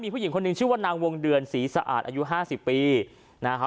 ผู้หญิงคนหนึ่งชื่อว่านางวงเดือนศรีสะอาดอายุห้าสิบปีนะฮะ